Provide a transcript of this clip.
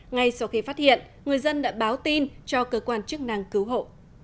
ngay sau khi phát hiện người dân đã báo tin cho cơ quan chức năng cứu hộ